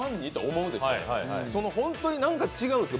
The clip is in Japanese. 本当に何か違うんですよ。